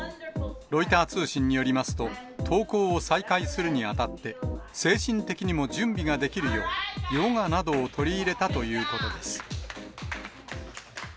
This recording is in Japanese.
ロイター通信によりますと、登校を再開するにあたって、精神的にも準備ができるよう、ヨガなどを取り入れたということです。